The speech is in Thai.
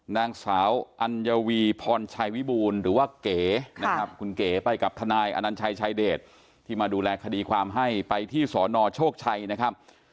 นางสาวอัญวีพรชัยวิบูรณ์หรือว่าเก๋นะครับคุณเก๋ไปกับทนายอนัญชัยชายเดชที่มาดูแลคดีความให้ไปที่สนโชคชัยนะครับ